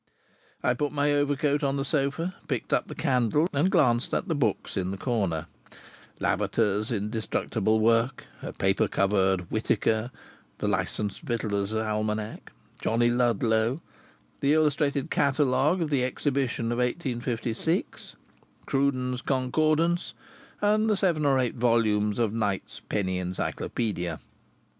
I put my overcoat on the sofa, picked up the candle and glanced at the books in the corner: Lavater's indestructible work, a paper covered Whitaker, the Licensed Victuallers' Almanac, Johnny Ludlow, the illustrated catalogue of the Exhibition of 1856, Cruden's Concordance, and seven or eight volumes of Knight's Penny Encyclopædia.